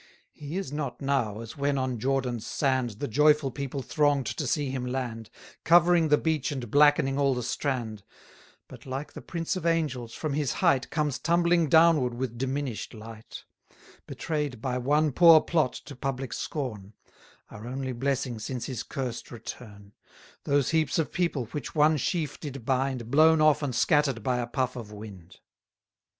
He is not now, as when on Jordan's sand 270 The joyful people throng'd to see him land, Covering the beach and blackening all the strand; But, like the prince of angels, from his height Comes tumbling downward with diminish'd light: Betray'd by one poor Plot to public scorn: (Our only blessing since his cursed return:) Those heaps of people which one sheaf did bind, Blown off and scatter'd by a puff of wind.